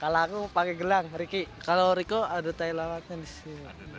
kalau aku pake gelang riki kalau riko ada tayu lawaknya disini